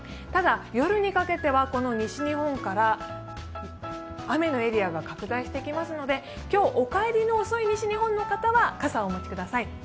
ただ、夜にかけては西日本から雨のエリアが拡大してきますので今日、お帰りの遅い西日本の方は傘をお持ちください。